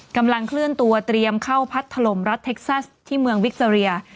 กำลังเคลื่อนตัวเตรียมเข้าพัดถล่มรัฐเท็กซัสที่เมืองวิคเซอเรีย